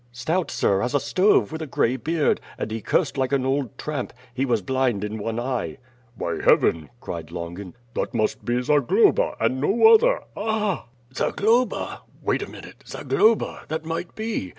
"Stout, sir, as a stove, with a gray beard, and he cursed like an old tramp. He was blind in one eye." "By Heaven," cried Longin, "that must be Zagloba, and no other. Ah!" "Zagloba! W^ait a minute. Zagloba! That might be.